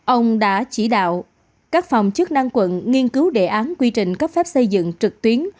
ông đã chỉ đạo các phòng chức năng quận nghiên cứu đề án quy trình cấp phép xây dựng trực tuyến